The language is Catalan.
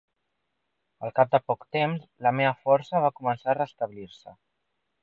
Al cap de poc temps, la meva força va començar a restablir-se.